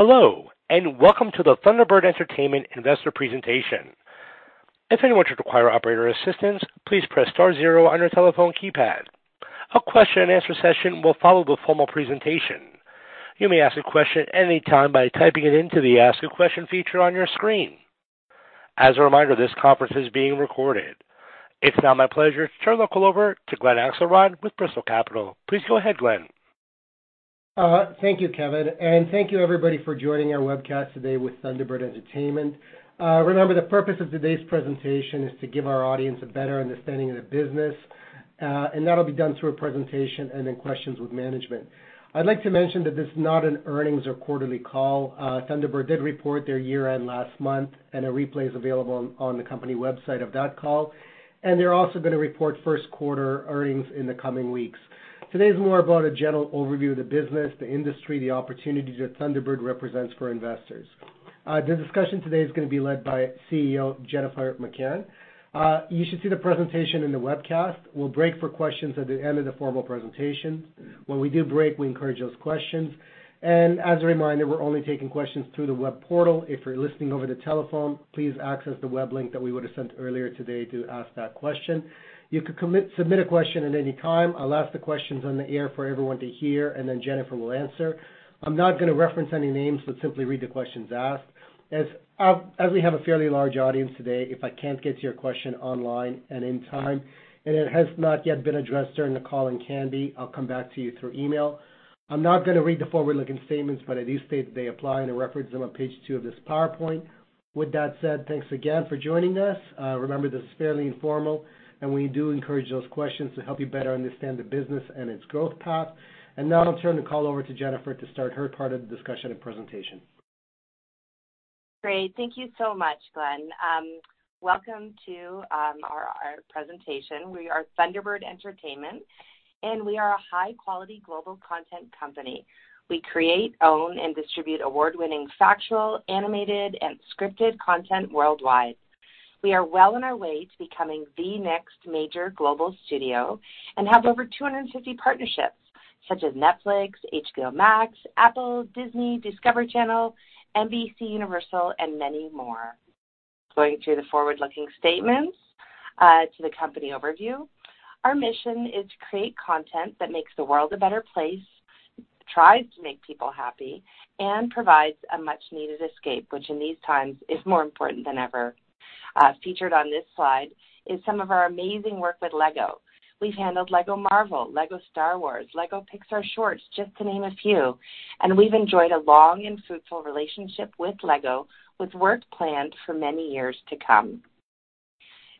Hello, and welcome to the Thunderbird Entertainment Investor Presentation. If anyone should require operator assistance, please press star zero on your telephone keypad. A question and answer session will follow the formal presentation. You may ask a question anytime by typing it into the Ask a Question feature on your screen. As a reminder, this conference is being recorded. It's now my pleasure to turn the call over to Glen Akselrod with Bristol Capital. Please go ahead, Glen. Thank you, Kevin, and thank you everybody for joining our webcast today with Thunderbird Entertainment. Remember, the purpose of today's presentation is to give our audience a better understanding of the business, and that'll be done through a presentation and then questions with management. I'd like to mention that this is not an earnings or quarterly call. Thunderbird did report their year-end last month, and a replay is available on the company website of that call, and they're also going to report first-quarter earnings in the coming weeks. Today is more about a general overview of the business, the industry, the opportunities that Thunderbird represents for investors. The discussion today is going to be led by CEO Jennifer McCarron. You should see the presentation in the webcast. We'll break for questions at the end of the formal presentation. When we do break, we encourage those questions, and as a reminder, we're only taking questions through the web portal. If you're listening over the telephone, please access the web link that we would have sent earlier today to ask that question. You could submit a question at any time. I'll ask the questions on the air for everyone to hear, and then Jennifer will answer. I'm not going to reference any names, but simply read the questions asked. As we have a fairly large audience today, if I can't get to your question online and in time, and it has not yet been addressed during the call, and can be, I'll come back to you through email. I'm not going to read the forward-looking statements, but I do state that they apply and I reference them on page two of this PowerPoint. With that said, thanks again for joining us. Remember, this is fairly informal, and we do encourage those questions to help you better understand the business and its growth path. Now I'll turn the call over to Jennifer to start her part of the discussion and presentation. Great. Thank you so much, Glen. Welcome to our presentation. We are Thunderbird Entertainment, and we are a high-quality global content company. We create, own, and distribute award-winning factual, animated, and scripted content worldwide. We are well on our way to becoming the next major global studio and have over 250 partnerships, such as Netflix, HBO Max, Apple, Disney, Discovery Channel, NBCUniversal, and many more. Going through the forward-looking statements to the company overview. Our mission is to create content that makes the world a better place, tries to make people happy, and provides a much-needed escape, which in these times is more important than ever. Featured on this slide is some of our amazing work with LEGO. We've handled LEGO Marvel, LEGO Star Wars, LEGO Pixar Shorts, just to name a few, and we've enjoyed a long and fruitful relationship with LEGO, with work planned for many years to come.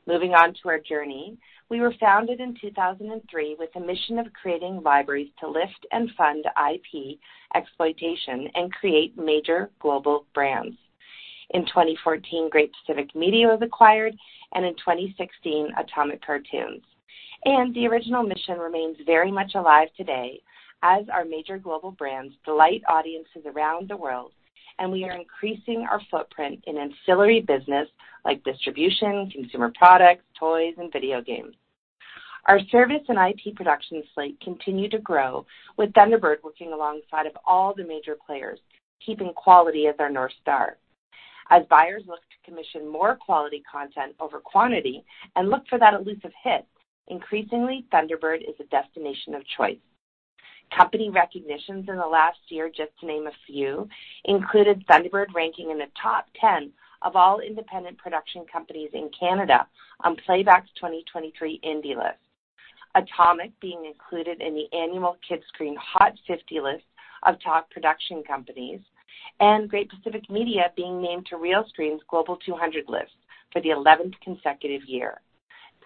Moving on to our journey. We were founded in 2003 with a mission of creating libraries to lift and fund IP exploitation and create major global brands. In 2014, Great Pacific Media was acquired, and in 2016, Atomic Cartoons. The original mission remains very much alive today as our major global brands delight audiences around the world, and we are increasing our footprint in ancillary business like distribution, consumer products, toys, and video games. Our service and IP production slate continue to grow, with Thunderbird working alongside of all the major players, keeping quality as our North Star. As buyers look to commission more quality content over quantity and look for that elusive hit, increasingly, Thunderbird is a destination of choice. Company recognitions in the last year, just to name a few, included Thunderbird ranking in the top 10 of all independent production companies in Canada on Playback's 2023 Indie List. Atomic being included in the annual Kidscreen Hot50 list of top production companies, and Great Pacific Media being named to Realscreen Global 200 list for the 11th consecutive year.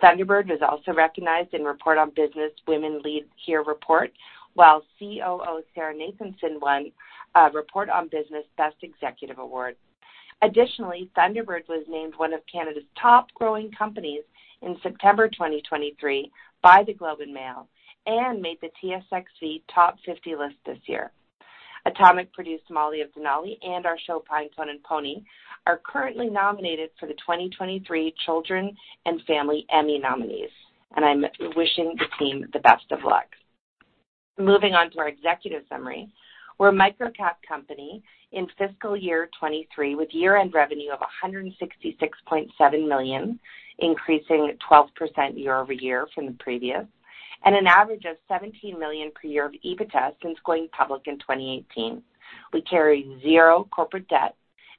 Thunderbird was also recognized in Report on Business Women Lead Here report, while COO Sarah Nathanson won a Report on Business Best Executive Award. Additionally, Thunderbird was named one of Canada's top growing companies in September 2023 by The Globe and Mail and made the TSXV top 50 list this year. Atomic-produced Molly of Denali and our show Pinecone & Pony are currently nominated for the 2023 Children's and Family Emmy nominees, and I'm wishing the team the best of luck. Moving on to our executive summary. We're a micro cap company in fiscal year 2023, with year-end revenue of 166.7 million, increasing 12% year-over-year from the previous, and an average of 17 million per year of EBITDA since going public in 2018. We carry zero corporate debt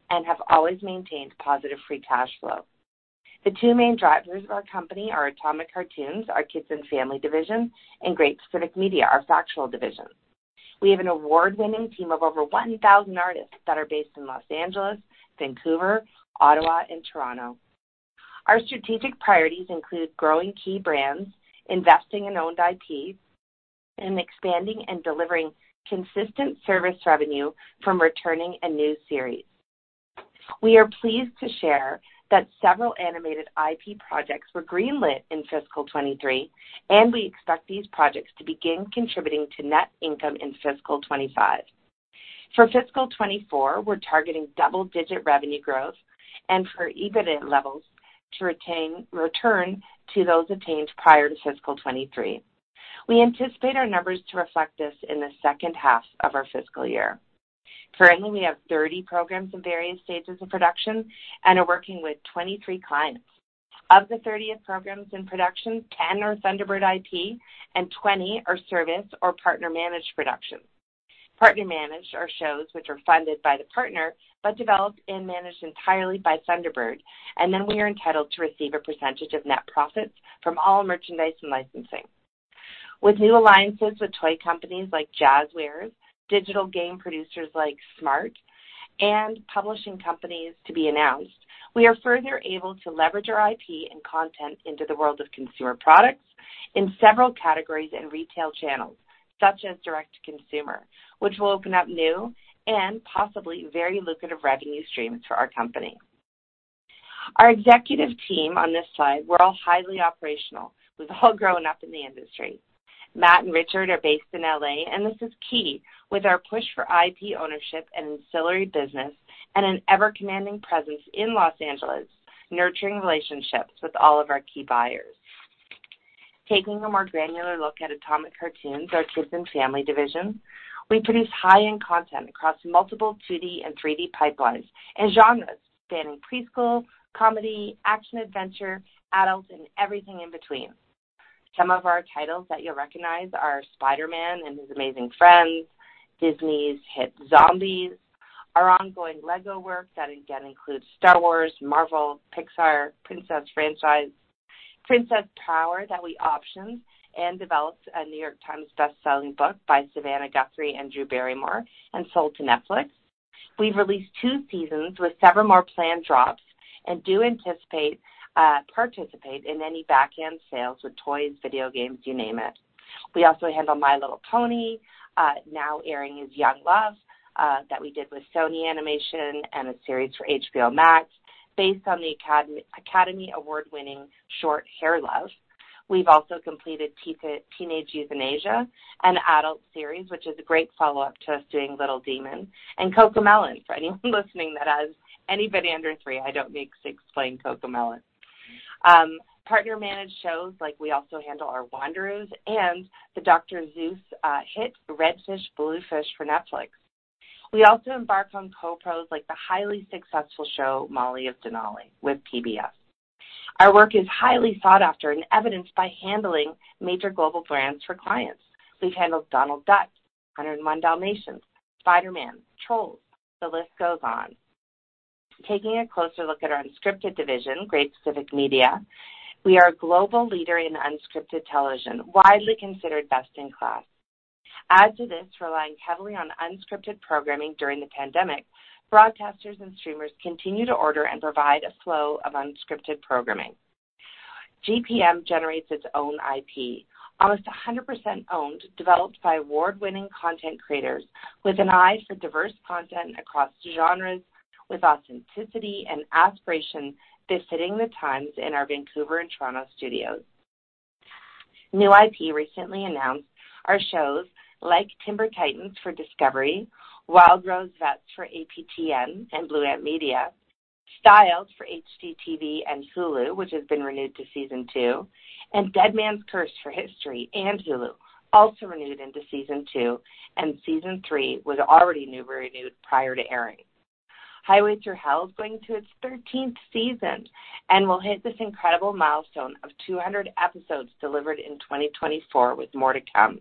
and have always maintained positive free cash flow. The two main drivers of our company are Atomic Cartoons, our Kids and Family division, and Great Pacific Media, our Factual division. We have an award-winning team of over 1,000 artists that are based in Los Angeles, Vancouver, Ottawa, and Toronto. Our strategic priorities include growing key brands, investing in owned IP, and expanding and delivering consistent service revenue from returning and new series. We are pleased to share that several animated IP projects were greenlit in fiscal 2023, and we expect these projects to begin contributing to net income in fiscal 2025. For fiscal 2024, we're targeting double-digit revenue growth and for EBITDA levels to return to those attained prior to fiscal 2023. We anticipate our numbers to reflect this in the second half of our fiscal year. Currently, we have 30 programs in various stages of production and are working with 23 clients. Of the 30 programs in production, 10 are Thunderbird IP, and 20 are service or partner-managed productions. Partner-managed shows are shows which are funded by the partner, but developed and managed entirely by Thunderbird, and then we are entitled to receive a percentage of net profits from all merchandise and licensing. With new alliances with toy companies like Jazwares, digital game producers like Smart, and publishing companies to be announced, we are further able to leverage our IP and content into the world of consumer products in several categories and retail channels, such as direct-to-consumer, which will open up new and possibly very lucrative revenue streams for our company. Our executive team on this slide, we're all highly operational. We've all grown up in the industry. Matt and Richard are based in L.A., and this is key with our push for IP ownership and ancillary business and an ever-commanding presence in Los Angeles, nurturing relationships with all of our key buyers. Taking a more granular look at Atomic Cartoons, our Kids and Family division, we produce high-end content across multiple 2D and 3D pipelines and genres, spanning preschool, comedy, action-adventure, adult, and everything in between. Some of our titles that you'll recognize are Spider-Man and His Amazing Friends, Disney's hit Zombies, our ongoing LEGO works that again include Star Wars, Marvel, Pixar, Princess franchise, Princess Power, that we optioned and developed a New York Times bestselling book by Savannah Guthrie and Drew Barrymore, and sold to Netflix. We've released two seasons with several more planned drops and do anticipate, participate in any back-end sales with toys, video games, you name it. We also handle My Little Pony. Now airing is Young Love, that we did with Sony Animation and a series for HBO Max, based on the Academy Award-winning Short Film Hair Love. We've also completed Teenage Euthanasia, an adult series, which is a great follow-up to us doing Little Demon and CoComelon. For anyone listening that has anybody under three, I don't need to explain CoComelon. Partner-managed shows like we also handle Wonderoos and the Dr. Seuss hit Red Fish, Blue Fish for Netflix. We also embarked on co-pros like the highly successful show, Molly of Denali, with PBS. Our work is highly sought after and evidenced by handling major global brands for clients. We've handled Donald Duck, 101 Dalmatians, Spider-Man, Trolls. The list goes on. Taking a closer look at our unscripted division, Great Pacific Media. We are a global leader in unscripted television, widely considered best-in-class. Add to this, relying heavily on unscripted programming during the pandemic, broadcasters and streamers continue to order and provide a flow of unscripted programming. GPM generates its own IP, almost 100% owned, developed by award-winning content creators with an eye for diverse content across genres, with authenticity and aspiration befitting the times in our Vancouver and Toronto studios. New IP recently announced are shows like Timber Titans for Discovery, Wild Rose Vets for APTN and Blue Ant Media, Styled for HGTV and Hulu, which has been renewed to Season 2, and Deadman's Curse for History and Hulu, also renewed into Season 2, and Season 3 was already renewed prior to airing. Highway Thru Hell is going to its 13th season and will hit this incredible milestone of 200 episodes delivered in 2024, with more to come.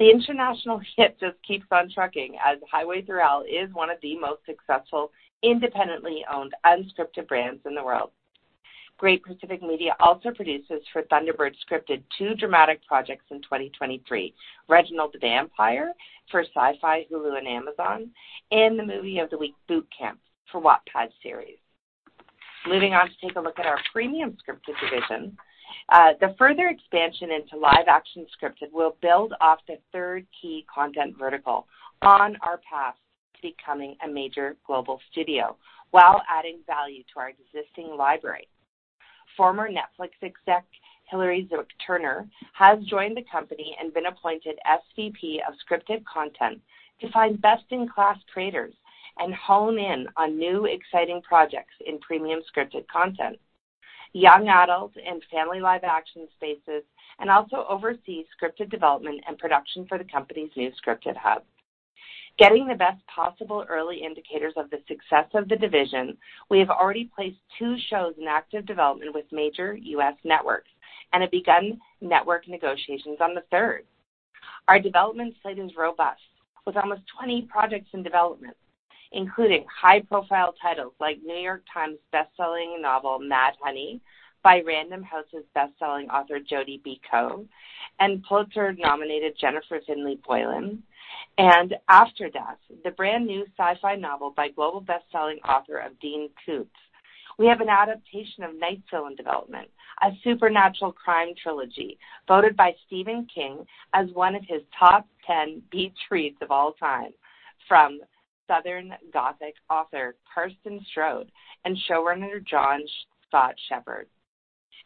The international hit just keeps on trucking, as Highway Thru Hell is one of the most successful, independently owned, unscripted brands in the world. Great Pacific Media also produces for Thunderbird Scripted two dramatic projects in 2023: Reginald the Vampire for Syfy, Hulu, and Amazon, and the Movie of the Week Boot Camp for Wattpad series. Moving on to take a look at our premium scripted division. The further expansion into live-action scripted will build off the third key content vertical on our path to becoming a major global studio while adding value to our existing library. Former Netflix exec, Hillary Zwick Turner, has joined the company and been appointed SVP of Scripted Content to find best-in-class creators and hone in on new, exciting projects in premium scripted content, young adults and family live-action spaces, and also oversees scripted development and production for the company's new scripted hub. Getting the best possible early indicators of the success of the division, we have already placed 2 shows in active development with major U.S. networks and have begun network negotiations on the third. Our development slate is robust, with almost 20 projects in development, including high-profile titles like New York Times' bestselling novel, Mad Honey, by Random House's best-selling author, Jodi Picoult, and Pulitzer-nominated Jennifer Finney Boylan, and After Death, the brand-new sci-fi novel by global best-selling author of Dean Koontz. We have an adaptation of Niceville in development, a supernatural crime trilogy, voted by Stephen King as one of his top 10 beach reads of all time from Southern Gothic author, Carsten Stroud, and showrunner John Scott Shepherd.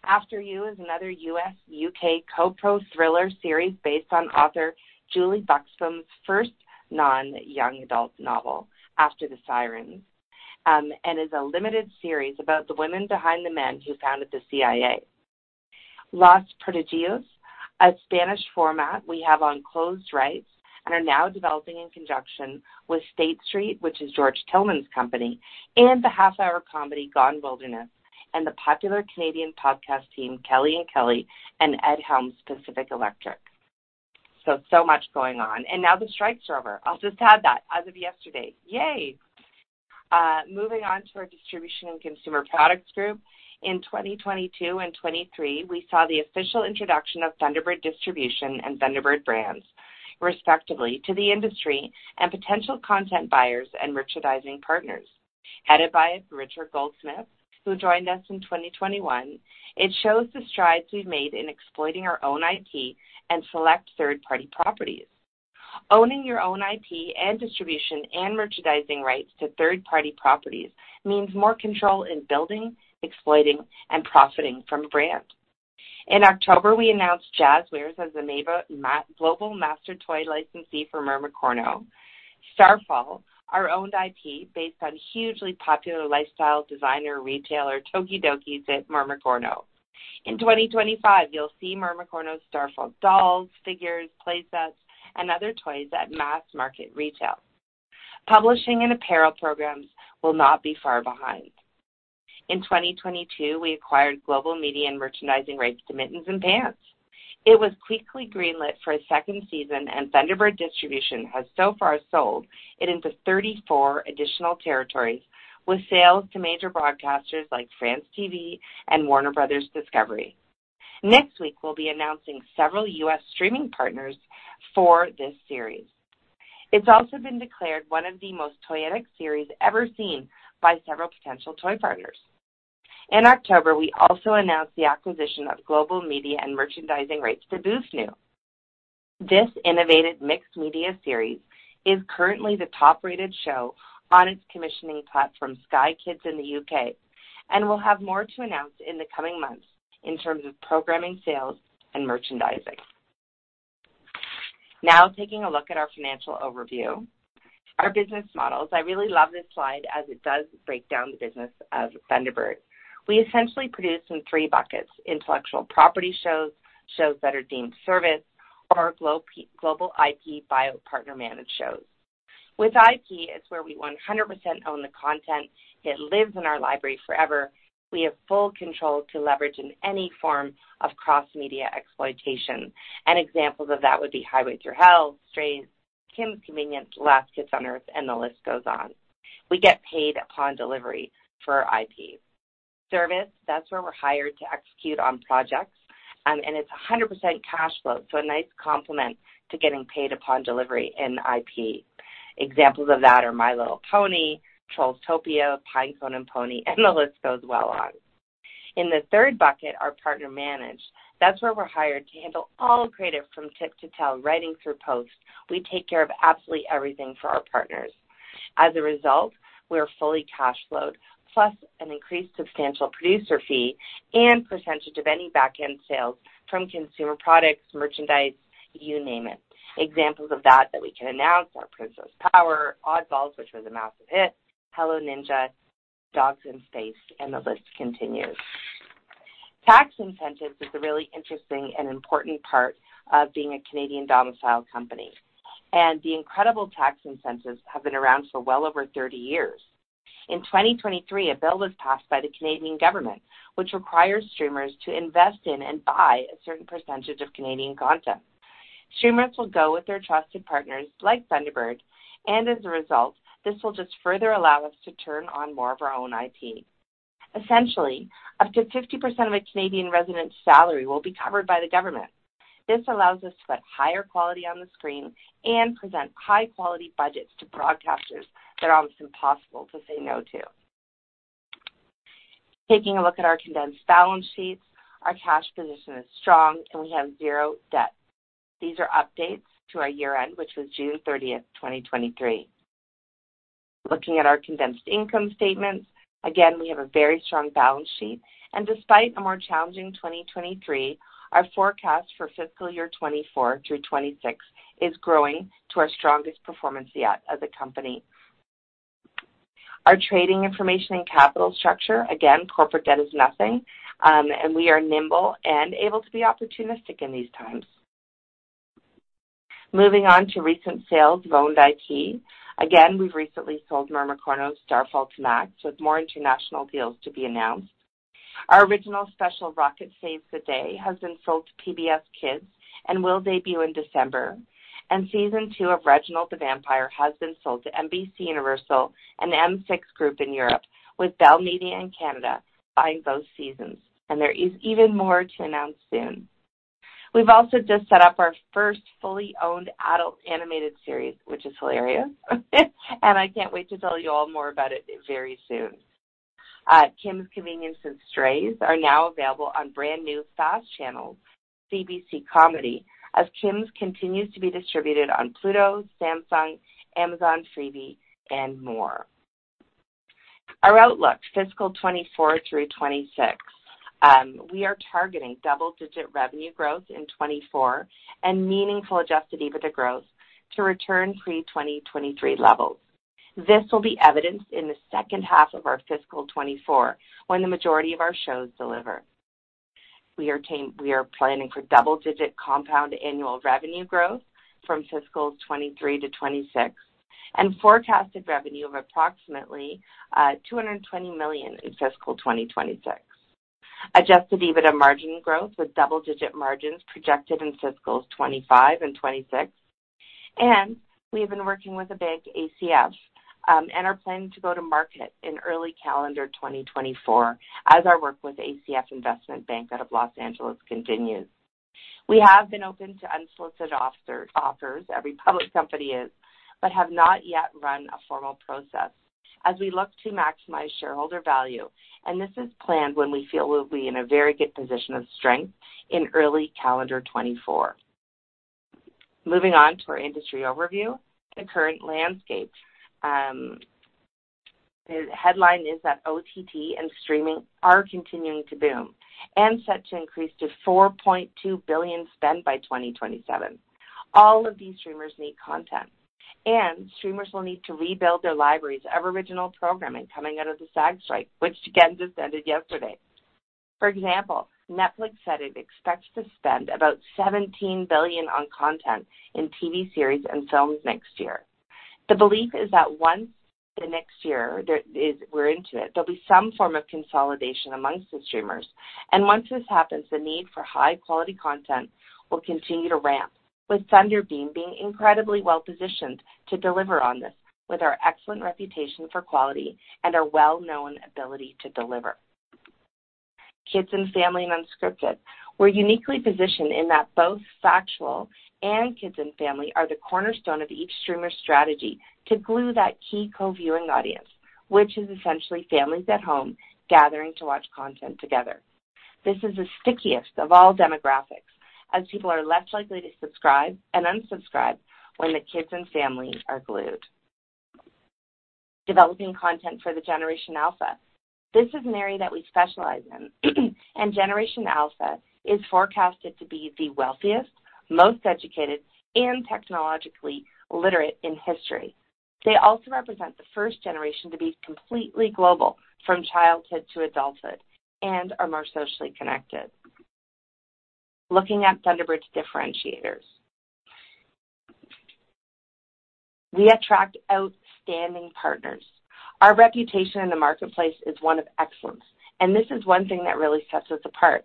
After You is another U.S.-U.K. co-pro thriller series based on author Julie Buxbaum's first non-young adult novel, After the Sirens. And is a limited series about the women behind the men who founded the CIA. Los Prodigios, a Spanish format we have on closed rights and are now developing in conjunction with State Street, which is George Tillman's company, and the half-hour comedy Gone Wilderness, and the popular Canadian podcast team, Kelly and Kelly, and Ed Helms, Pacific Electric. So, so much going on, and now the strikes are over. I'll just add that as of yesterday. Yay! Moving on to our distribution and consumer products group. In 2022 and 2023, we saw the official introduction of Thunderbird Distribution and Thunderbird Brands, respectively, to the industry and potential content buyers and merchandising partners. Headed by Richard Goldsmith, who joined us in 2021, it shows the strides we've made in exploiting our own IP and select third-party properties. Owning your own IP and distribution and merchandising rights to third-party properties means more control in building, exploiting, and profiting from brand. In October, we announced Jazwares as the Global Master Toy licensee for Mermicorno: Starfall, our owned IP, based on hugely popular lifestyle designer, retailer Tokidoki's Mermicorno. In 2025, you'll see Mermicorno: Starfall dolls, figures, play sets, and other toys at mass-market retail. Publishing and apparel programs will not be far behind. In 2022, we acquired global media and merchandising rights to Mittens & Pants. It was quickly greenlit for a second season, and Thunderbird Distribution has so far sold it into 34 additional territories, with sales to major broadcasters like France TV and Warner Bros. Discovery. Next week, we'll be announcing several U.S. streaming partners for this series. It's also been declared one of the most toyetic series ever seen by several potential toy partners. In October, we also announced the acquisition of global media and merchandising rights to BooSnoo!. This innovative mixed-media series is currently the top-rated show on its commissioning platform, Sky Kids in the U.K., and we'll have more to announce in the coming months in terms of programming, sales, and merchandising. Now taking a look at our financial overview. Our business models, I really love this slide as it does break down the business of Thunderbird. We essentially produce in three buckets: intellectual property shows, shows that are deemed service, or global IP or our partner-managed shows. With IP, it's where we 100% own the content. It lives in our library forever. We have full control to leverage in any form of cross-media exploitation, and examples of that would be Highway Thru Hell, Strays, Kim's Convenience, Last Kids on Earth, and the list goes on. We get paid upon delivery for our IP. Service, that's where we're hired to execute on projects, and it's 100% cash flow, so a nice complement to getting paid upon delivery in IP. Examples of that are My Little Pony, TrollsTopia, Pinecone & Pony, and the list goes well on. In the third bucket, our partner managed. That's where we're hired to handle all creative from tip to toe, writing through post. We take care of absolutely everything for our partners. As a result, we are fully cash flow, plus an increased substantial producer fee and percentage of any back-end sales from consumer products, merchandise, you name it. Examples of that, that we can announce are Princess Power, Oddballs, which was a massive hit, Hello Ninja, Dogs in Space, and the list continues. Tax incentives is a really interesting and important part of being a Canadian domicile company, and the incredible tax incentives have been around for well over 30 years. In 2023, a bill was passed by the Canadian government, which requires streamers to invest in and buy a certain percentage of Canadian content. Streamers will go with their trusted partners like Thunderbird, and as a result, this will just further allow us to turn on more of our own IP. Essentially, up to 50% of a Canadian resident's salary will be covered by the government. This allows us to put higher quality on the screen and present high-quality budgets to broadcasters that are almost impossible to say no to. Taking a look at our condensed balance sheets, our cash position is strong, and we have 0 debt. These are updates to our year-end, which was June 30, 2023. Looking at our condensed income statements, again, we have a very strong balance sheet, and despite a more challenging 2023, our forecast for fiscal year 2024 through 2026 is growing to our strongest performance yet as a company. Our trading information and capital structure, again, corporate debt is nothing, and we are nimble and able to be opportunistic in these times. Moving on to recent sales of owned IP. Again, we've recently sold Mermicorno: Starfall to Max, with more international deals to be announced. Our original special, Rocket Saves the Day, has been sold to PBS Kids and will debut in December, and Season 2 of Reginald the Vampire has been sold to NBCUniversal and the M6 Group in Europe, with Bell Media in Canada buying those seasons. There is even more to announce soon. We've also just set up our first fully owned adult animated series, which is hilarious, and I can't wait to tell you all more about it very soon. Kim's Convenience and Strays are now available on brand new FAST channels, CBC Comedy, as Kim's continues to be distributed on Pluto, Samsung, Amazon, Freevee, and more. Our outlook, fiscal 2024 through 2026. We are targeting double-digit revenue growth in 2024 and meaningful adjusted EBITDA growth to return pre-2023 levels. This will be evidenced in the second half of our fiscal 2024, when the majority of our shows deliver. We are planning for double-digit compound annual revenue growth from fiscal 2023 to 2026, and forecasted revenue of approximately 220 million in fiscal 2026. Adjusted EBITDA margin growth, with double-digit margins projected in fiscals 2025 and 2026, and we have been working with a big ACF, and are planning to go to market in early calendar 2024 as our work with ACF Investment Bank out of Los Angeles continues. We have been open to unsolicited offers, offers, every public company is, but have not yet run a formal process as we look to maximize shareholder value, and this is planned when we feel we'll be in a very good position of strength in early calendar 2024. Moving on to our industry overview. The current landscape. The headline is that OTT and streaming are continuing to boom and set to increase to $4.2 billion spend by 2027. All of these streamers need content, and streamers will need to rebuild their libraries of original programming coming out of the SAG strike, which again, just ended yesterday. For example, Netflix said it expects to spend about $17 billion on content in TV series and films next year. The belief is that once the next year there is... we're into it, there'll be some form of consolidation amongst the streamers, and once this happens, the need for high-quality content will continue to ramp, with Thunderbird being incredibly well-positioned to deliver on this, with our excellent reputation for quality and our well-known ability to deliver. Kids and family and unscripted. We're uniquely positioned in that both factual and kids and family are the cornerstone of each streamer's strategy to glue that key co-viewing audience, which is essentially families at home gathering to watch content together. This is the stickiest of all demographics, as people are less likely to subscribe and unsubscribe when the kids and family are glued. Developing content for the Generation Alpha. This is an area that we specialize in, and Generation Alpha is forecasted to be the wealthiest, most educated, and technologically literate in history. They also represent the first generation to be completely global from childhood to adulthood and are more socially connected. Looking at Thunderbird's differentiators. We attract outstanding partners. Our reputation in the marketplace is one of excellence, and this is one thing that really sets us apart.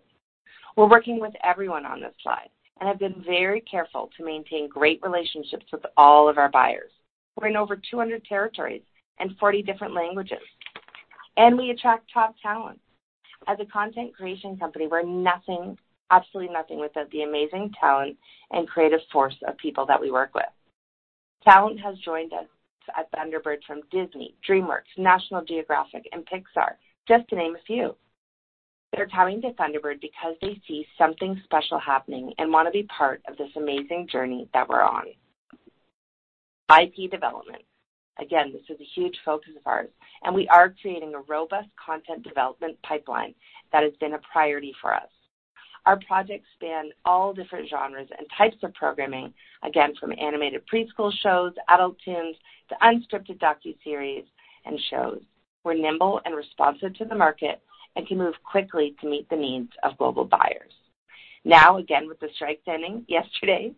We're working with everyone on this slide and have been very careful to maintain great relationships with all of our buyers. We're in over 200 territories and 40 different languages, and we attract top talent. As a content creation company, we're nothing, absolutely nothing, without the amazing talent and creative source of people that we work with. Talent has joined us at Thunderbird from Disney, DreamWorks, National Geographic, and Pixar, just to name a few. They're coming to Thunderbird because they see something special happening and want to be part of this amazing journey that we're on. IP development. Again, this is a huge focus of ours, and we are creating a robust content development pipeline that has been a priority for us. Our projects span all different genres and types of programming, again, from animated preschool shows, adult toons, to unscripted docuseries and shows. We're nimble and responsive to the market and can move quickly to meet the needs of global buyers. Now, again, with the strike ending yesterday,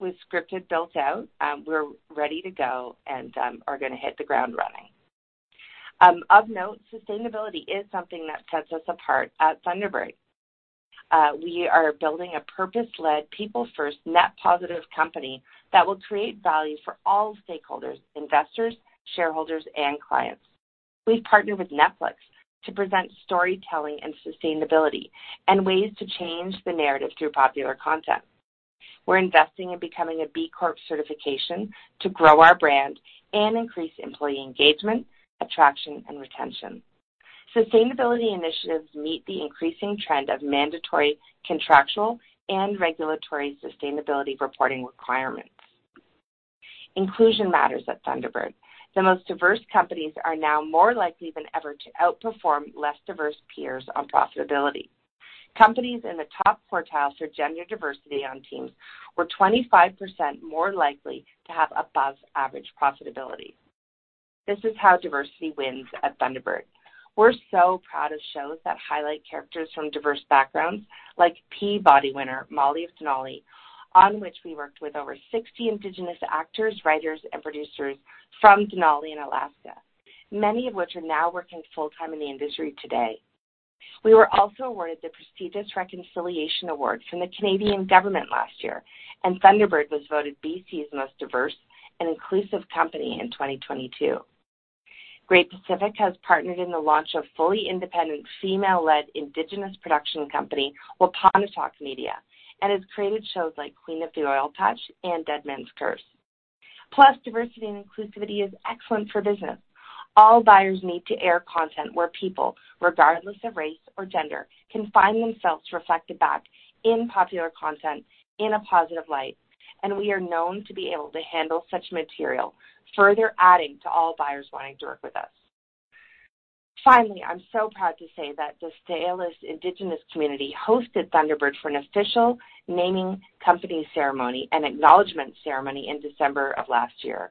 with scripted built out, we're ready to go and, are going to hit the ground running. Of note, sustainability is something that sets us apart at Thunderbird. We are building a purpose-led, people-first, net-positive company that will create value for all stakeholders, investors, shareholders, and clients. We've partnered with Netflix to present storytelling and sustainability and ways to change the narrative through popular content. We're investing in becoming a B Corp certification to grow our brand and increase employee engagement, attraction, and retention. Sustainability initiatives meet the increasing trend of mandatory, contractual, and regulatory sustainability reporting requirements. Inclusion matters at Thunderbird. The most diverse companies are now more likely than ever to outperform less diverse peers on profitability. Companies in the top quartile for gender diversity on teams were 25% more likely to have above-average profitability. This is how diversity wins at Thunderbird. We're so proud of shows that highlight characters from diverse backgrounds, like Peabody Winner: Molly of Denali, on which we worked with over 60 Indigenous actors, writers and producers from Denali in Alaska, many of which are now working full-time in the industry today. We were also awarded the prestigious Reconciliation Award from the Canadian government last year, and Thunderbird was voted BC's Most Diverse and Inclusive Company in 2022. Great Pacific has partnered in the launch of fully independent, female-led, Indigenous production company, Wapanatahk Media, and has created shows like Queen of the Oil Patch and Deadman's Curse. Plus, diversity and inclusivity is excellent for business. All buyers need to air content where people, regardless of race or gender, can find themselves reflected back in popular content in a positive light, and we are known to be able to handle such material, further adding to all buyers wanting to work with us. Finally, I'm so proud to say that the St’át’imc Indigenous community hosted Thunderbird for an official naming company ceremony and acknowledgment ceremony in December of last year.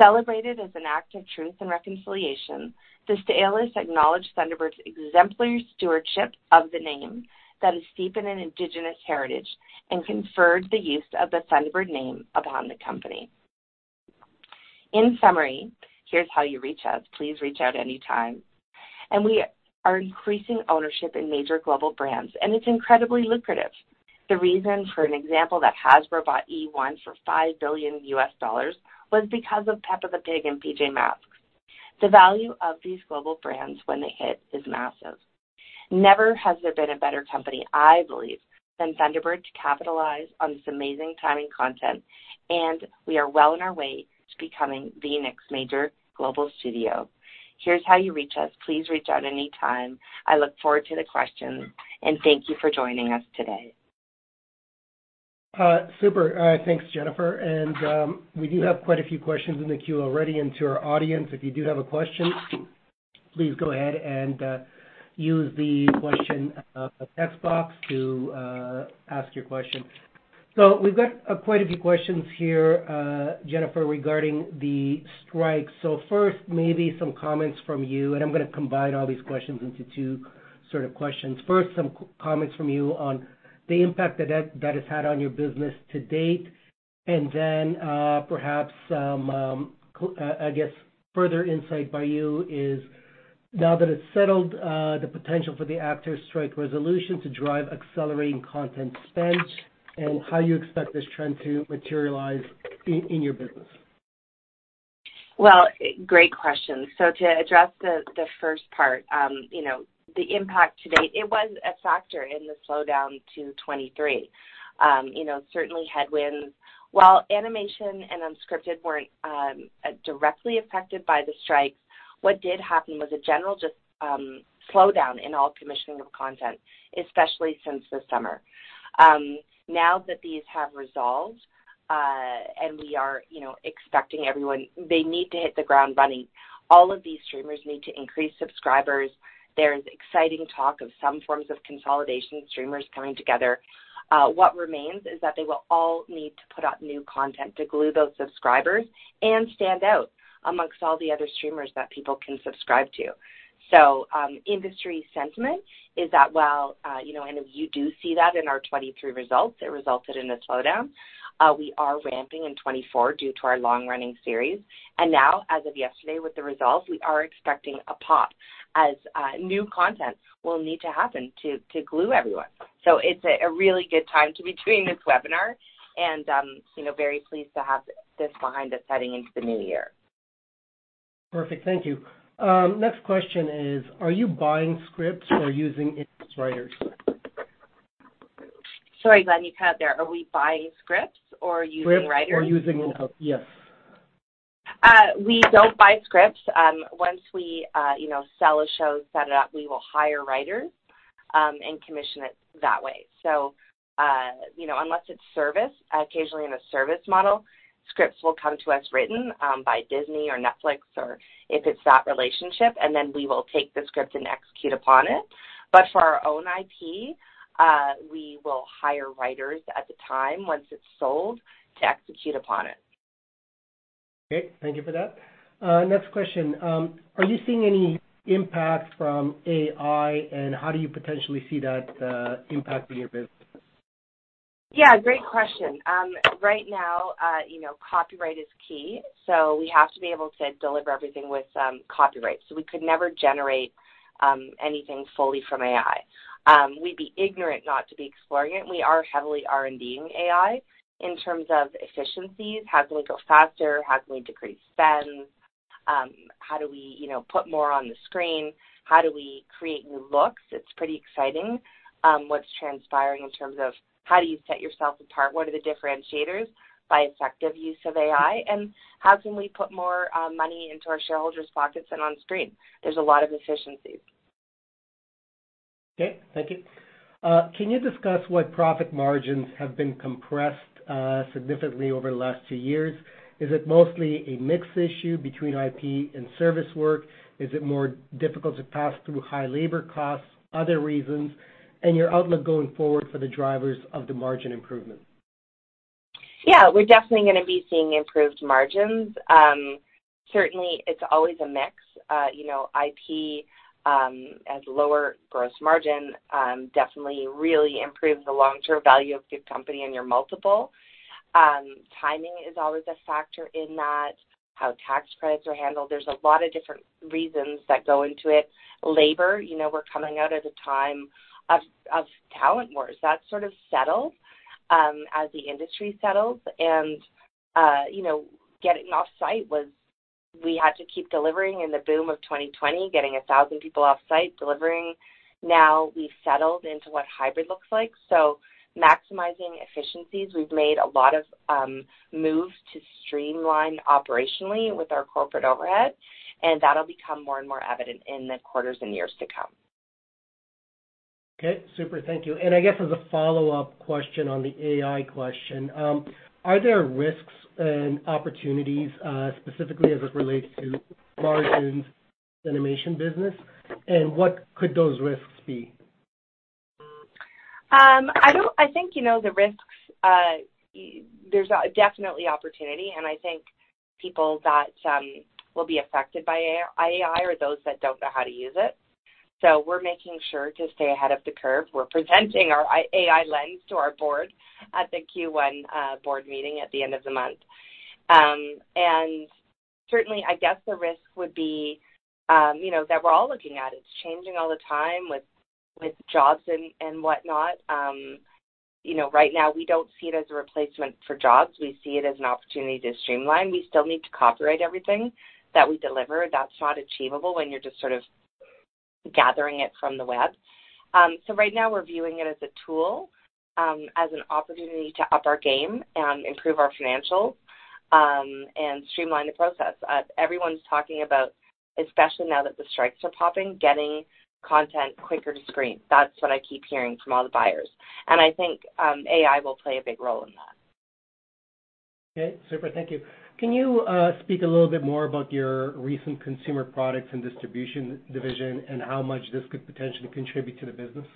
Celebrated as an act of truth and reconciliation, the St’át’imc acknowledged Thunderbird's exemplary stewardship of the name that is steeped in an indigenous heritage and conferred the use of the Thunderbird name upon the company. In summary, here's how you reach out. Please reach out anytime. We are increasing ownership in major global brands, and it's incredibly lucrative. The reason, for an example, that Hasbro bought eOne for $5 billion was because of Peppa Pig and PJ Masks. The value of these global brands when they hit is massive. Never has there been a better company, I believe, than Thunderbird, to capitalize on this amazing timing content, and we are well on our way to becoming the next major global studio. Here's how you reach us. Please reach out anytime. I look forward to the questions, and thank you for joining us today. Super. Thanks, Jennifer, and we do have quite a few questions in the queue already. To our audience, if you do have a question, please go ahead and use the question text box to ask your question. So we've got quite a few questions here, Jennifer, regarding the strike. First, maybe some comments from you, and I'm gonna combine all these questions into two sorts of questions. First, some comments from you on the impact that that has had on your business to date, and then perhaps some, I guess, further insight by you is now that it's settled, the potential for the actors strike resolution to drive accelerating content spend, and how you expect this trend to materialize in your business. Well, great questions. So to address the first part, you know, the impact to date, it was a factor in the slowdown to 2023. You know, certainly headwinds, while animation and unscripted weren't directly affected by the strikes, what did happen was a general just slowdown in all commissioning of content, especially since the summer. Now that these have resolved, and we are, you know, expecting everyone, they need to hit the ground running. All of these streamers need to increase subscribers. There's exciting talk of some forms of consolidation, streamers coming together. What remains is that they will all need to put out new content to glue those subscribers and stand out amongst all the other streamers that people can subscribe to. So, industry sentiment is that while, you know, and you do see that in our 2023 results, it resulted in a slowdown. We are ramping in 2024 due to our long-running series, and now, as of yesterday, with the results, we are expecting a pop as, new content will need to happen to, to glue everyone. So it's a really good time to be doing this webinar and, you know, very pleased to have this behind us heading into the new year. Perfect. Thank you. Next question is: Are you buying scripts or using in-house writers? Sorry, glad you cut there. Are we buying scripts or using writers? Scripts or using in-house? Yes. We don't buy scripts. Once we, you know, sell a show, set it up, we will hire writers, and commission it that way. So, you know, unless it's service, occasionally in a service model, scripts will come to us written, by Disney or Netflix or if it's that relationship, and then we will take the script and execute upon it. But for our own IP, we will hire writers at the time, once it's sold, to execute upon it. Great, thank you for that. Next question: Are you seeing any impact from AI, and how do you potentially see that impacting your business? Yeah, great question. Right now, you know, copyright is key, so we have to be able to deliver everything with copyright. So we could never generate anything fully from AI. We'd be ignorant not to be exploring it, and we are heavily R&Ding AI in terms of efficiencies. How do we go faster? How do we decrease spend? How do we, you know, put more on the screen? How do we create new looks? It's pretty exciting, what's transpiring in terms of how do you set yourself apart? What are the differentiators by effective use of AI, and how can we put more money into our shareholders' pockets and on screen? There's a lot of efficiencies. Okay, thank you. Can you discuss what profit margins have been compressed significantly over the last two years? Is it mostly a mix issue between IP and service work? Is it more difficult to pass through high labor costs, other reasons, and your outlook going forward for the drivers of the margin improvement? Yeah, we're definitely gonna be seeing improved margins. Certainly it's always a mix. You know, IP as lower gross margin definitely really improves the long-term value of the company and your multiple. Timing is always a factor in that, how tax credits are handled. There's a lot of different reasons that go into it. Labor, you know, we're coming out at a time of talent wars. That sort of settled as the industry settles and, you know, getting off-site was... We had to keep delivering in the boom of 2020, getting 1,000 people off-site, delivering. Now, we've settled into what hybrid looks like, so maximizing efficiencies. We've made a lot of moves to streamline operationally with our corporate overhead, and that'll become more and more evident in the quarters and years to come. Okay, super. Thank you. And I guess as a follow-up question on the AI question, are there risks and opportunities, specifically as it relates to margins animation business? And what could those risks be? I think, you know, the risks, there's definitely opportunity, and I think people that will be affected by AI are those that don't know how to use it. So we're making sure to stay ahead of the curve. We're presenting our AI lens to our board at the Q1 board meeting at the end of the month. And certainly, I guess the risk would be, you know, that we're all looking at. It's changing all the time with jobs and whatnot. You know, right now, we don't see it as a replacement for jobs. We see it as an opportunity to streamline. We still need to copyright everything that we deliver. That's not achievable when you're just sort of gathering it from the web. So right now we're viewing it as a tool, as an opportunity to up our game and improve our financials, and streamline the process. Everyone's talking about, especially now that the strikes are popping, getting content quicker to screen. That's what I keep hearing from all the buyers. I think AI will play a big role in that. Okay, super. Thank you. Can you speak a little bit more about your recent consumer products and distribution division and how much this could potentially contribute to the business?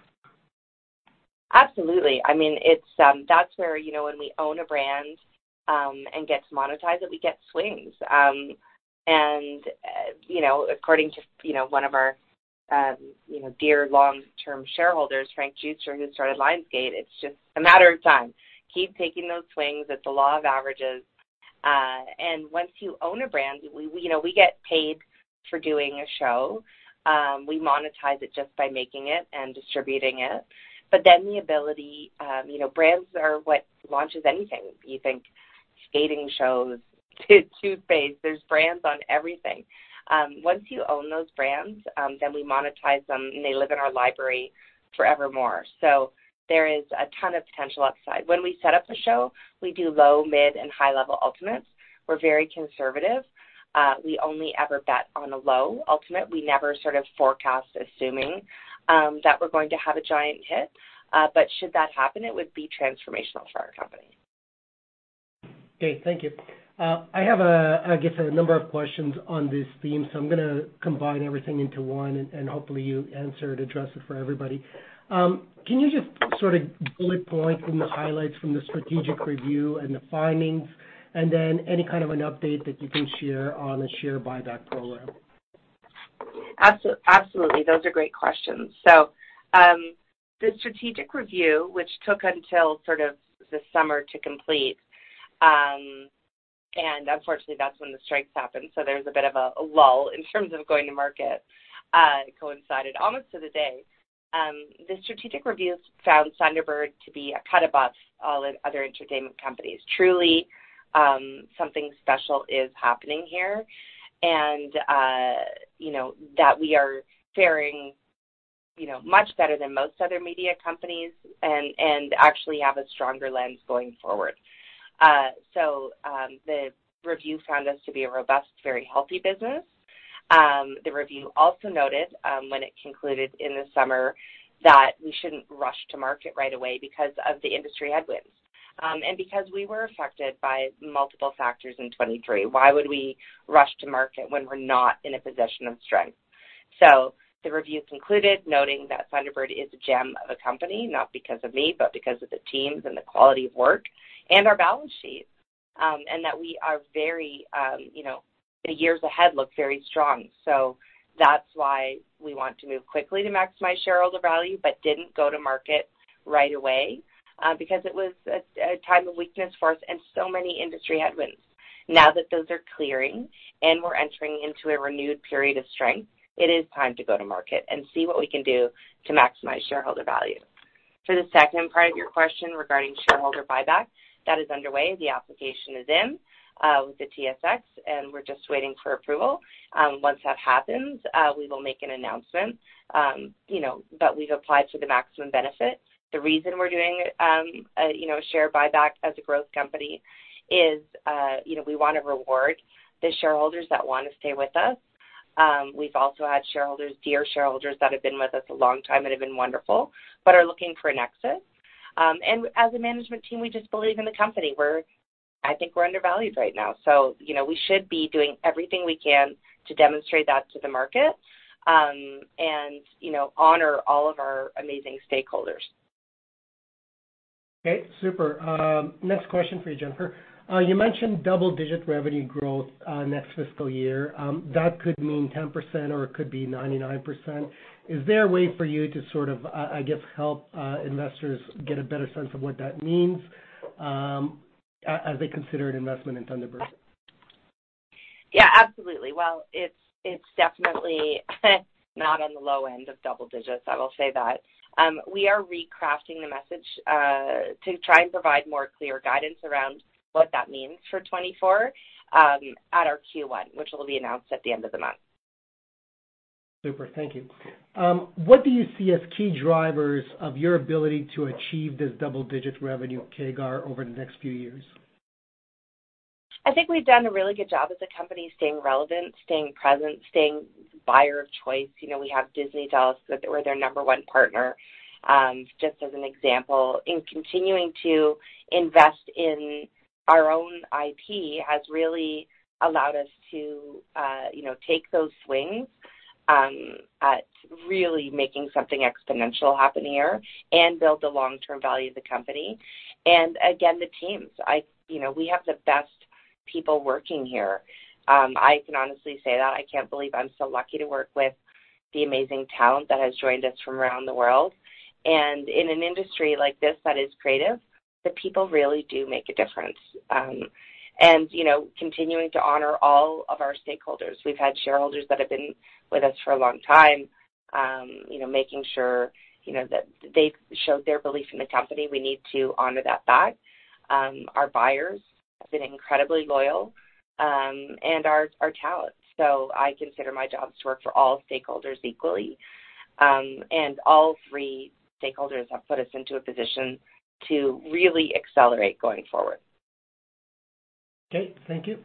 Absolutely. I mean, it's... That's where, you know, when we own a brand, and gets monetized, that we get swings. And, you know, according to, you know, one of our, you know, dear long-term shareholders, Frank Giustra, who started Lionsgate, it's just a matter of time. Keep taking those swings. It's a law of averages. And once you own a brand, we you know we get paid for doing a show. We monetize it just by making it and distributing it. But then the ability, you know, brands are what launch anything. You think skating shows to toothpaste, there's brands on everything. Once you own those brands, then we monetize them, and they live in our library forevermore. So there is a ton of potential upside. When we set up a show, we do low, mid, and high-level ultimates. We're very conservative. We only ever bet on a low ultimate. We never sort of forecast, assuming that we're going to have a giant hit. But should that happen, it would be transformational for our company. Okay, thank you. I have, I guess, a number of questions on this theme, so I'm gonna combine everything into one, and hopefully you answer it, address it for everybody. Can you just sort of bullet point from the highlights from the strategic review and the findings, and then any kind of an update that you can share on the share buyback program? Absolutely. Those are great questions. So, the strategic review, which took until sort of this summer to complete, and unfortunately, that's when the strikes happened, so there was a bit of a lull in terms of going to market, coincided almost to the day. The strategic reviews found Thunderbird to be a cut above all other entertainment companies. Truly, something special is happening here, and, you know, that we are faring, you know, much better than most other media companies and actually have a stronger lens going forward. So, the review found us to be a robust, very healthy business. The review also noted, when it concluded in the summer, that we shouldn't rush to market right away because of the industry headwinds. And because we were affected by multiple factors in 2023, why would we rush to market when we're not in a position of strength? So the review concluded, noting that Thunderbird is a gem of a company, not because of me, but because of the teams and the quality of work and our balance sheet. And that we are very, you know, the years ahead look very strong. So that's why we want to move quickly to maximize shareholder value, but didn't go to market right away, because it was a time of weakness for us and so many industry headwinds. Now that those are clearing and we're entering into a renewed period of strength, it is time to go to market and see what we can do to maximize shareholder value. For the second part of your question regarding shareholder buyback, that is underway. The application is in with the TSX, and we're just waiting for approval. Once that happens, we will make an announcement, you know, but we've applied for the maximum benefit. The reason we're doing a you know share buyback as a growth company is you know we wanna reward the shareholders that wanna stay with us. We've also had shareholders, dear shareholders, that have been with us a long time and have been wonderful, but are looking for an exit. And as a management team, we just believe in the company. We're, I think we're undervalued right now, so you know we should be doing everything we can to demonstrate that to the market, and you know honor all of our amazing stakeholders. Okay, super. Next question for you, Jennifer. You mentioned double-digit revenue growth next fiscal year. That could mean 10%, or it could be 99%. Is there a way for you to sort of, I guess, help investors get a better sense of what that means, as they consider an investment in Thunderbird? Yeah, absolutely. Well, it's, it's definitely not on the low end of double digits, I will say that. We are recrafting the message, to try and provide more clear guidance around what that means for 2024, at our Q1, which will be announced at the end of the month. Super. Thank you. What do you see as key drivers of your ability to achieve this double-digit revenue CAGR over the next few years? I think we've done a really good job as a company, staying relevant, staying present, staying buyer of choice. You know, we have Disney dolls, that we're their number one partner, just as an example. In continuing to invest in our own IP has really allowed us to, you know, take those swings at really making something exponential happen here and build the long-term value of the company. And again, the teams. You know, we have the best people working here. I can honestly say that I can't believe I'm so lucky to work with the amazing talent that has joined us from around the world. And in an industry like this that is creative, the people really do make a difference. And, you know, continuing to honor all of our stakeholders. We've had shareholders that have been with us for a long time, you know, making sure, you know, that they've showed their belief in the company. We need to honor that back. Our buyers have been incredibly loyal, and our talent. So I consider my job is to work for all stakeholders equally, and all three stakeholders have put us into a position to really accelerate going forward. Okay, thank you.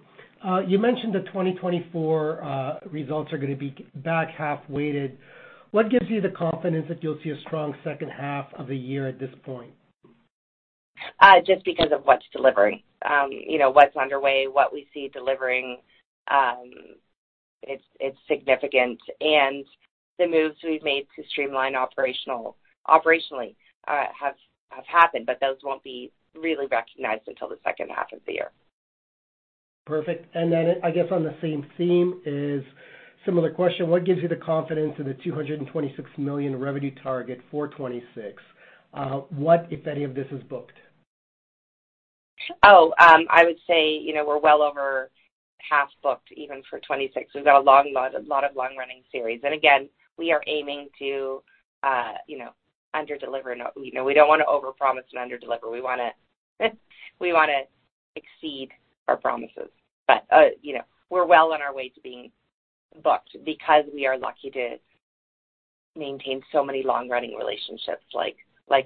You mentioned the 2024 results are gonna be back-half weighted. What gives you the confidence that you'll see a strong second half of the year at this point? Just because of what's delivering. You know, what's underway, what we see delivering, it's significant. And the moves we've made to streamline operationally have happened, but those won't be really recognized until the second half of the year. Perfect. And then, I guess on the same theme is similar question: What gives you the confidence in the 226 million revenue target for 2026? What, if any, of this is booked? Oh, I would say, you know, we're well over half booked, even for 2026. There's a lot of long-running series. And again, we are aiming to, you know, underdeliver. No, we don't want to overpromise and underdeliver. We wanna exceed our promises. But, you know, we're well on our way to being booked because we are lucky to maintain so many long-running relationships like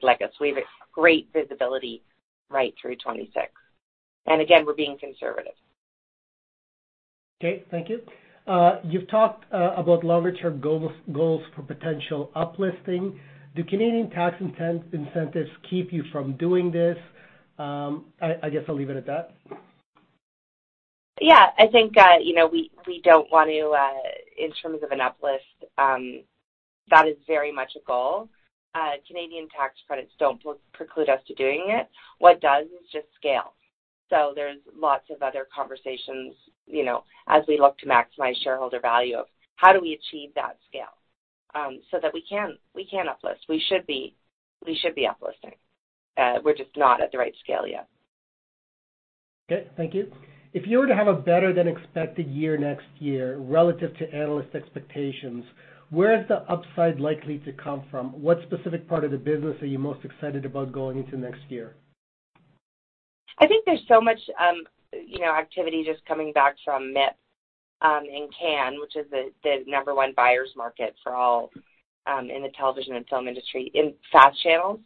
LEGO. So we have great visibility right through 2026. And again, we're being conservative. Okay, thank you. You've talked about longer-term goals, goals for potential uplisting. Do Canadian tax incentives keep you from doing this? I guess I'll leave it at that. Yeah, I think, you know, we, we don't want to, in terms of an uplist, that is very much a goal. Canadian tax credits don't preclude us to doing it. What does is just scale. So there's lots of other conversations, you know, as we look to maximize shareholder value, of how do we achieve that scale, so that we can, we can uplist. We should be, we should be uplisting. We're just not at the right scale yet. Okay, thank you. If you were to have a better-than-expected year next year, relative to analyst expectations, where is the upside likely to come from? What specific part of the business are you most excited about going into next year? I think there's so much, you know, activity just coming back from MIP, in Cannes, which is the, the number one buyer's market for all, in the television and film industry, in FAST channels,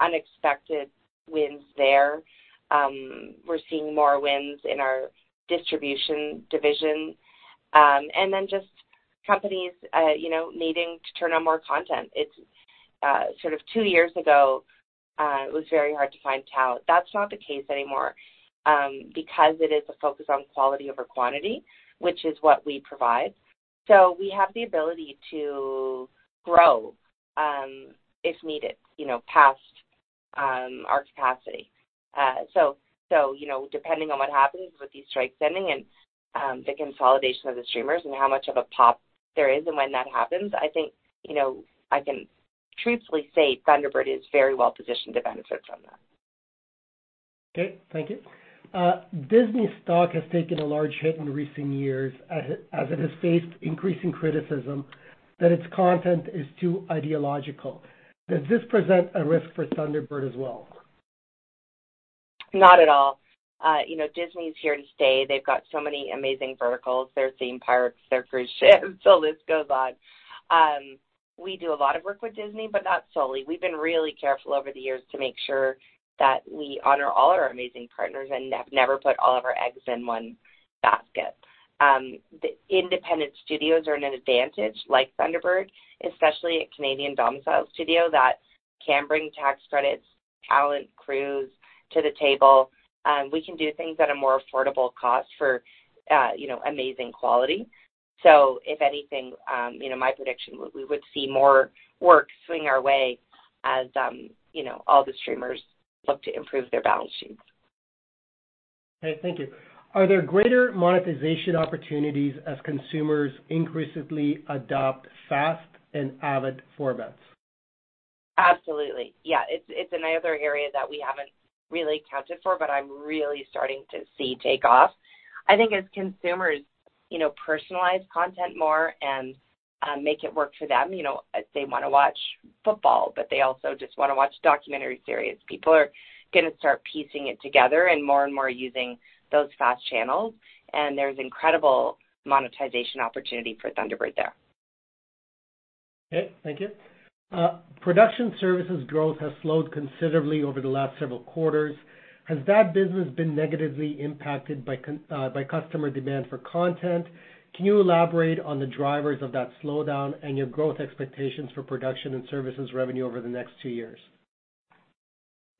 unexpected wins there. We're seeing more wins in our distribution division, and then just companies, you know, needing to turn on more content. It's... sort of two years ago, it was very hard to find talent. That's not the case anymore, because it is a focus on quality over quantity, which is what we provide. So we have the ability to grow, if needed, you know, past, our capacity. So, you know, depending on what happens with these strikes ending and the consolidation of the streamers and how much of a pop there is, and when that happens, I think, you know, I can truthfully say Thunderbird is very well positioned to benefit from that. Okay, thank you. Disney's stock has taken a large hit in recent years as it has faced increasing criticism that its content is too ideological. Does this present a risk for Thunderbird as well? Not at all. You know, Disney is here to stay. They've got so many amazing verticals. Their theme parks, their cruise ships, the list goes on. We do a lot of work with Disney, but not solely. We've been really careful over the years to make sure that we honor all our amazing partners and have never put all of our eggs in one basket. The independent studios are in an advantage, like Thunderbird, especially a Canadian-domiciled studio that can bring tax credits, talent, crews to the table. We can do things at a more affordable cost for, you know, amazing quality. So if anything, you know, my prediction, we would see more work swing our way as, you know, all the streamers look to improve their balance sheets. Okay, thank you. Are there greater monetization opportunities as consumers increasingly adopt FAST and AVOD formats? Absolutely. Yeah, it's another area that we haven't really accounted for, but I'm really starting to see take off. I think as consumers, you know, personalize content more and make it work for them, you know, they wanna watch football, but they also just wanna watch documentary series. People are gonna start piecing it together and more and more using those FAST channels, and there's incredible monetization opportunity for Thunderbird there. Okay, thank you. Production services growth has slowed considerably over the last several quarters. Has that business been negatively impacted by customer demand for content? Can you elaborate on the drivers of that slowdown and your growth expectations for production and services revenue over the next two years?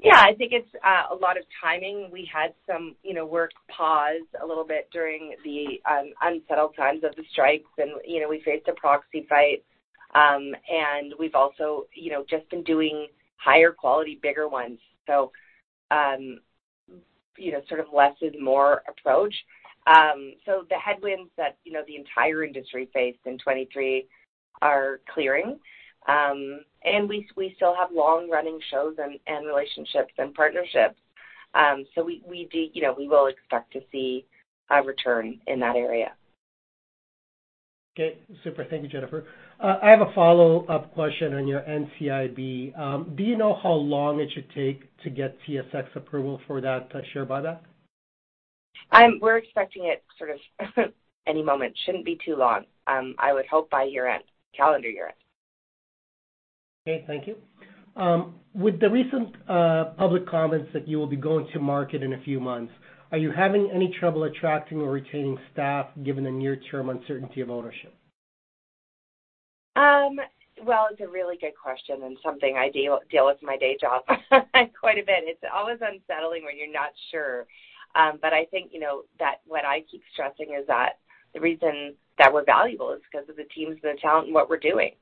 Yeah, I think it's a lot of timing. We had some, you know, work pause a little bit during the unsettled times of the strikes, and, you know, we faced a proxy fight. And we've also, you know, just been doing higher quality, bigger ones. So, you know, sort of less is more approach. So the headwinds that, you know, the entire industry faced in 2023 are clearing. And we still have long-running shows and relationships and partnerships. So we do, you know, we will expect to see a return in that area. Okay. Super. Thank you, Jennifer. I have a follow-up question on your NCIB. Do you know how long it should take to get TSX approval for that share buyback? We're expecting it sort of any moment. Shouldn't be too long. I would hope by year-end, calendar year-end. Okay, thank you. With the recent public comments that you will be going to market in a few months, are you having any trouble attracting or retaining staff, given the near-term uncertainty of ownership? Well, it's a really good question and something I deal with in my day job quite a bit. It's always unsettling when you're not sure. But I think, you know, that what I keep stressing is that the reason that we're valuable is because of the teams and the talent and what we're doing.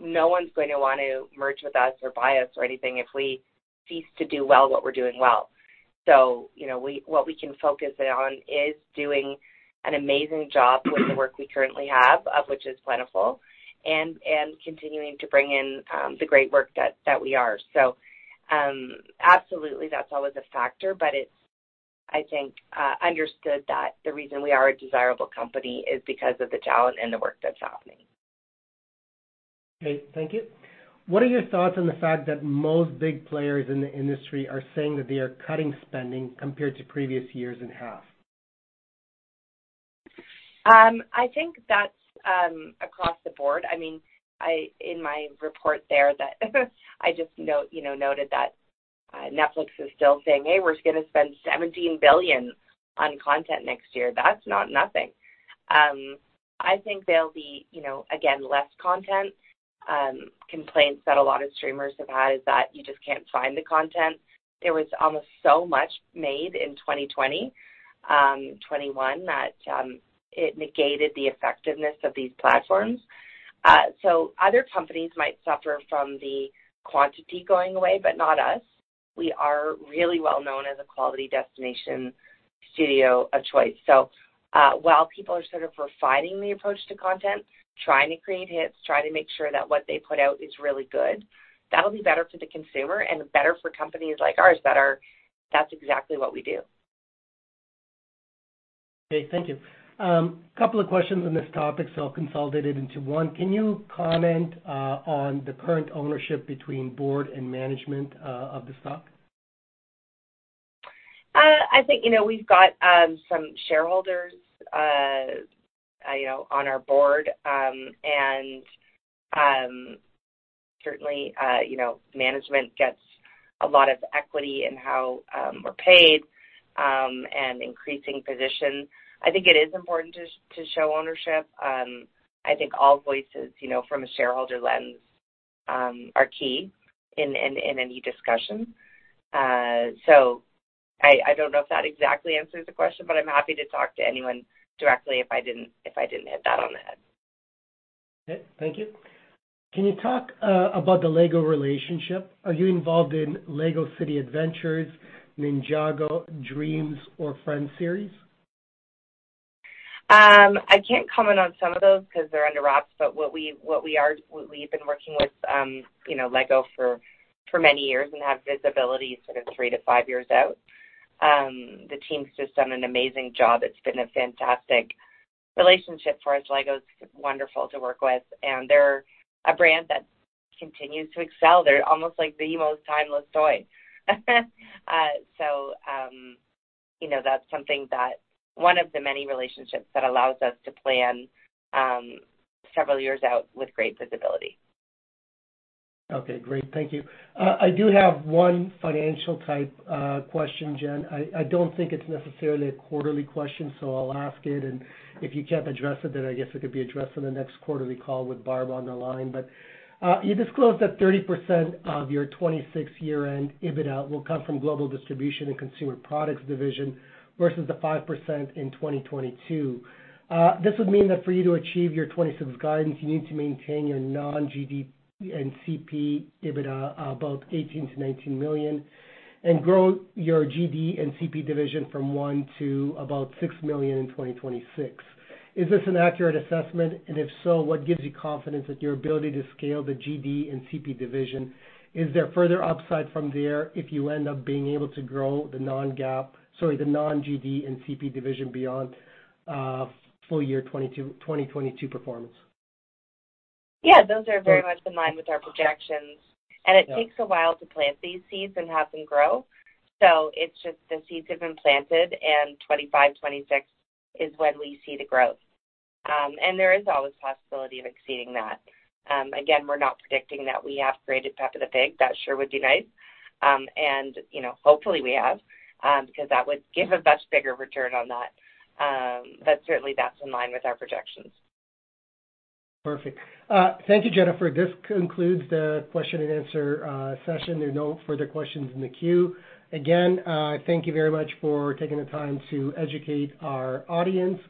No one's going to want to merge with us or buy us or anything if we cease to do well what we're doing well. So, you know, what we can focus on is doing an amazing job with the work we currently have, of which is plentiful, and continuing to bring in the great work that we are. So, absolutely, that's always a factor, but it's, I think, understood that the reason we are a desirable company is because of the talent and the work that's happening. Okay, thank you. What are your thoughts on the fact that most big players in the industry are saying that they are cutting spending compared to previous years in half? I think that's across the board. I mean, in my report there that I just noted that, you know, Netflix is still saying, "Hey, we're going to spend $17 billion on content next year." That's not nothing. I think there'll be, you know, again, less content. Complaints that a lot of streamers have had is that you just can't find the content. There was almost so much made in 2020, 2021, that it negated the effectiveness of these platforms. So other companies might suffer from the quantity going away, but not us. We are really well known as a quality destination studio of choice. While people are sort of refining the approach to content, trying to create hits, trying to make sure that what they put out is really good, that'll be better for the consumer and better for companies like ours that are... That's exactly what we do. Okay, thank you. A couple of questions on this topic, so I'll consolidate it into one. Can you comment on the current ownership between board and management of the stock? I think, you know, we've got some shareholders, you know, on our board. Certainly, you know, management gets a lot of equity in how we're paid and increasing position. I think it is important to show ownership. I think all voices, you know, from a shareholder lens, are key in any discussion. So I don't know if that exactly answers the question, but I'm happy to talk to anyone directly if I didn't hit that on the head. Okay. Thank you. Can you talk about the LEGO relationship? Are you involved in LEGO City Adventures, Ninjago, DREAMZzz, or Friends series? I can't comment on some of those because they're under wraps, but what we are, we've been working with, you know, LEGO for many years and have visibility sort of 3-5 years out. The team's just done an amazing job. It's been a fantastic relationship for us. LEGO's wonderful to work with, and they're a brand that continues to excel. They're almost like the most timeless toy. So, you know, that's something that... One of the many relationships that allows us to plan several years out with great visibility. Okay, great. Thank you. I do have one financial-type question, Jen. I don't think it's necessarily a quarterly question, so I'll ask it, and if you can't address it, then I guess it could be addressed on the next quarterly call with Barb on the line. But you disclosed that 30% of your 2026 year-end EBITDA will come from Global Distribution and Consumer Products division versus the 5% in 2022. This would mean that for you to achieve your 2026 guidance, you need to maintain your non-GD and CP EBITDA, about 18 million-19 million, and grow your GD and CP division from 1 million to about 6 million in 2026. Is this an accurate assessment? If so, what gives you confidence that your ability to scale the GD and CP division? Is there further upside from there if you end up being able to grow the non-GAAP... Sorry, the non-GD and CP division beyond full-year 2022 performance? Yeah, those are very much in line with our projections, and it takes a while to plant these seeds and have them grow. So it's just the seeds have been planted, and 2025, 2026 is when we see the growth. And there is always possibility of exceeding that. Again, we're not predicting that we have created Peppa Pig. That sure would be nice. And, you know, hopefully, we have, because that would give a much bigger return on that. But certainly, that's in line with our projections. Perfect. Thank you, Jennifer. This concludes the question-and-answer session. There are no further questions in the queue. Again, thank you very much for taking the time to educate our audience.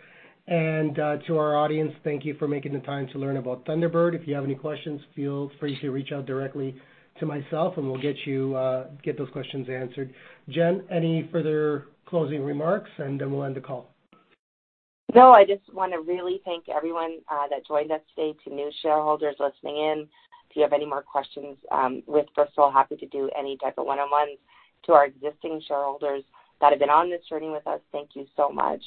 And to our audience, thank you for making the time to learn about Thunderbird. If you have any questions, feel free to reach out directly to myself, and we'll get you those questions answered. Jen, any further closing remarks, and then we'll end the call? No, I just want to really thank everyone that joined us today. To new shareholders listening in, if you have any more questions, we're still happy to do any type of one-on-ones. To our existing shareholders that have been on this journey with us, thank you so much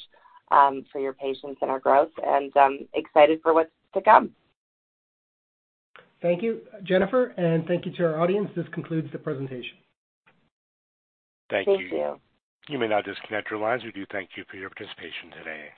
for your patience and our growth, and excited for what's to come. Thank you, Jennifer, and thank you to our audience. This concludes the presentation. Thank you. Thank you. You may now disconnect your lines. We do thank you for your participation today.